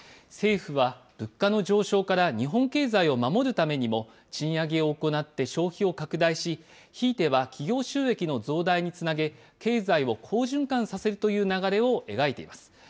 政府は物価の上昇から日本経済を守るためにも、賃上げを行って消費を拡大し、ひいては企業収益の増大につなげ、経済を好循環させるという流れを描いています。